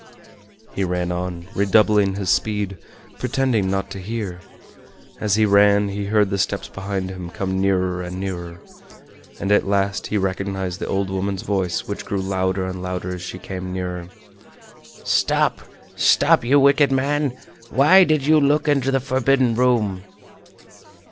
He ran on, redoubling his speed, pretending not to hear. As he ran he heard the steps behind him come nearer and nearer, and at last he recognized the old woman's voice which grew louder and louder as she came nearer. "Stop! stop, you wicked man, why did you look into the forbidden room?"